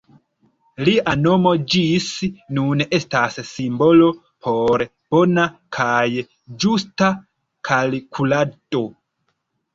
Lia nomo ĝis nun estas simbolo por bona kaj ĝusta kalkulado.